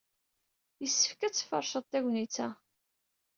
Yessefk ad tfaṛseḍ tagnit-a.